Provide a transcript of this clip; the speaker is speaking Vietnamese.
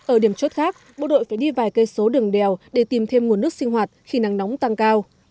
ở điểm chốt khác bộ đội phải đi vài cây số đường đèo để tìm thêm nguồn nước sinh hoạt khi nắng nóng tăng cao